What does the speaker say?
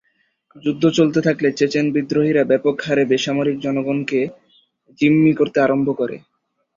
যুদ্ধ চলতে থাকলে চেচেন বিদ্রোহীরা ব্যাপক হারে বেসামরিক জনগণকে জিম্মি করতে আরম্ভ করে।